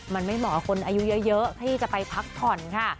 มันไม่เหมาะคนอายุเยอะที่จะไปพักผ่อนค่ะ